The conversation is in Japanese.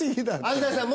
安齋さん